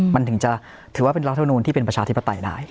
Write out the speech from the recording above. มันถึงจะถือว่าเป็นรัฐมนูลที่เป็นประชาธิปไตยได้